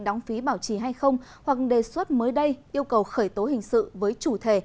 đóng phí bảo trì hay không hoặc đề xuất mới đây yêu cầu khởi tố hình sự với chủ thể